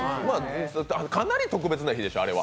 かなり特別な日でしょ、あれは。